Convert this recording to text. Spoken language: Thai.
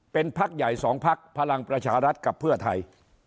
เป็นพักใหญ่๒พักพลังประชารัฐกับเพื่อไทย